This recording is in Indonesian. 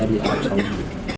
jadi aku sanggup